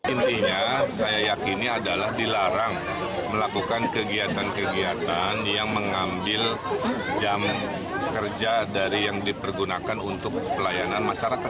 intinya saya yakini adalah dilarang melakukan kegiatan kegiatan yang mengambil jam kerja dari yang dipergunakan untuk pelayanan masyarakat